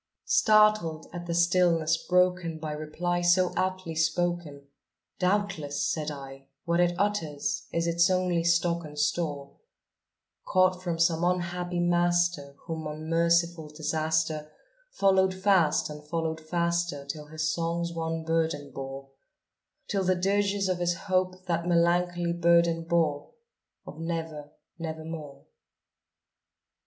Startled at the stillness broken by reply so aptly spoken, "Doubtless," said I, "what it utters is its only stock and store, Caught from some unhappy master whom unmerciful Disaster Followed fast and followed faster till his songs one burden bore Till the dirges of his Hope that melancholy burden bore Of 'Never nevermore.'"